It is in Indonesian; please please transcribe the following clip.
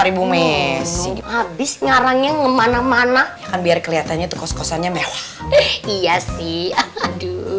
ribu messi habis ngarangnya ngemana mana biar kelihatannya kos kosannya mewah iya sih aduh